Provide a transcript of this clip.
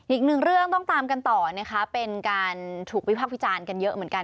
อีกหนึ่งเรื่องต้องตามกันต่อนะคะเป็นการถูกวิพากษ์วิจารณ์กันเยอะเหมือนกัน